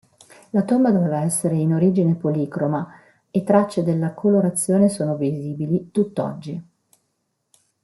La tomba doveva essere in origine policroma e tracce della colorazione sono visibili tutt'oggi.